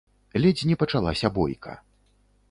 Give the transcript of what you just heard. Ледзь не пачалася бойка.